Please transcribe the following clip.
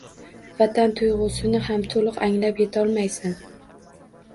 Vatan tuyg‘usini ham to‘liq anglab yetolmaysan